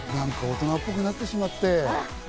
大人っぽくなってしまって。